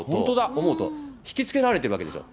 思うと、引き付けられてるわけですよ。